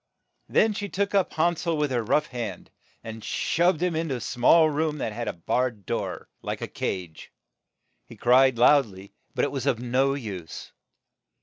Then she took up Han sel with her rough hand, and shut him up in a small room that had a barred door, like a cage. He cried loud ly, but it was of no use.